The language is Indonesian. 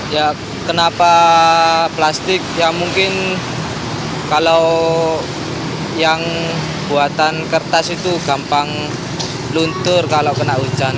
ya kenapa plastik ya mungkin kalau yang buatan kertas itu gampang luntur kalau kena hujan